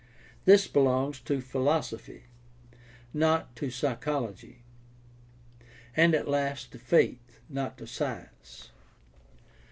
This belongs to philosophy, not to psychology, and at last to faith, not to science.